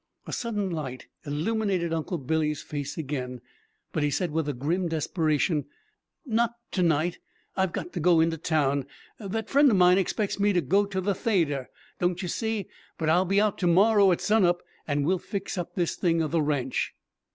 A sudden light illuminated Uncle Billy's face again, but he said, with a grim desperation, "Not to night! I've got to go into town. That fren' o' mine expects me to go to the theayter, don't ye see? But I'll be out to morrow at sun up, and we'll fix up this thing o' the ranch."